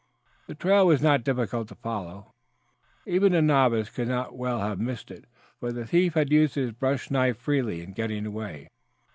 The trail was not difficult to follow; even a novice could not well have missed it for the thief had used his bush knife freely in getting away.